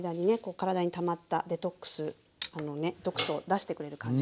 体にたまったデトックス毒素を出してくれる感じがしますね。